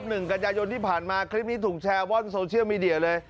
หนึ่งกันยายนที่ผ่านมาคลิปนี้ถูกแชร์ว่อนโซเชียลมีเดียเลย